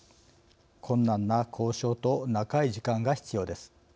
困難な交渉と長い時間が必要です。